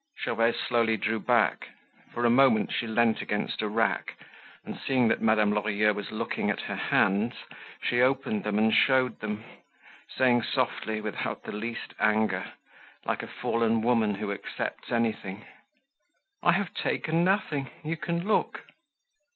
Gervaise slowly drew back. For a moment she leant against a rack, and seeing that Madame Lorilleux was looking at her hands, she opened them and showed them, saying softly, without the least anger, like a fallen women who accepts anything: "I have taken nothing; you can look."